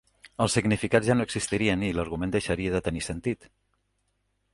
Els significats ja no existirien i l'argument deixaria de tenir sentit.